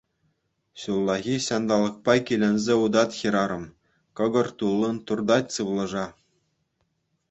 Ҫуллахи ҫанталӑкпа киленсе утать хӗрарӑм, кӑкӑр туллин туртать сывлӑша.